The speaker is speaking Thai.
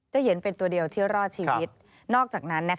เหยียนเป็นตัวเดียวที่รอดชีวิตนอกจากนั้น